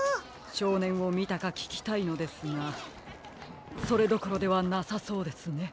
しょうねんをみたかききたいのですがそれどころではなさそうですね。